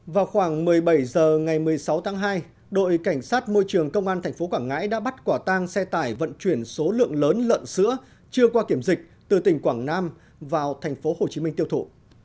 vào khoảng một mươi bảy h ngày một mươi sáu tháng hai đội cảnh sát môi trường công an tp quảng ngãi đã bắt quả tang xe tải vận chuyển số lượng lớn lợn sữa chưa qua kiểm dịch từ tỉnh quảng nam vào tp hcm tiêu thụ